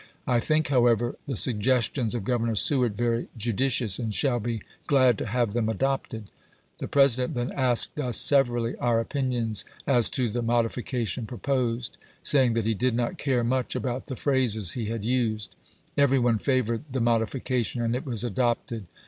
I think, however, the suggestions of Governor Seward very judi cious, and shall be glad to have them adopted." The President then asked us severally our opinions as to the modification proposed, saying that he did not care much about the phrases he had used. Every one favored the modification, and it was adopted.